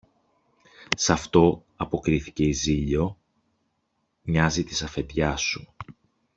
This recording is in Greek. Σ' αυτό, αποκρίθηκε η Ζήλιω, μοιάζει της αφεντιάς σου.